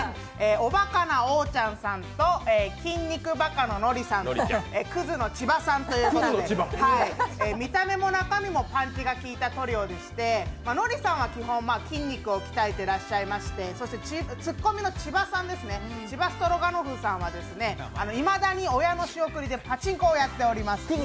おバカなおーちゃんさんと、筋肉ばかのノリさんとくずの千葉さんということで見た目も中身もパンチが効いたトリオでしてノリさんは基本、筋肉を鍛えてらっしゃいましてそしてツッコミの千葉ストロガノフさんはいまだに親の仕送りでパチンコをやっております。